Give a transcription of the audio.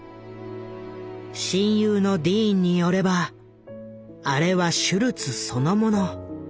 親友のディーンによればあれはシュルツそのもの。